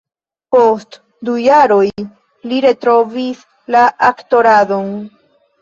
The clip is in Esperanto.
Post du jaroj, li retrovis la aktoradon.